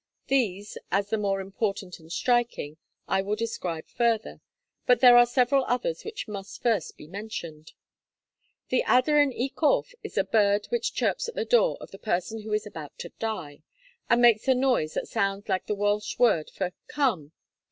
These, as the more important and striking, I will describe further; but there are several others which must first be mentioned. The Aderyn y Corph is a bird which chirps at the door of the person who is about to die, and makes a noise that sounds like the Welsh word for 'Come!